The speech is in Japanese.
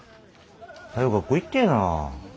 はよう学校行ってえな。